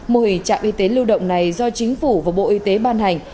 mô hình trạm y tế lưu động này do chính phủ và bộ y tế ban hành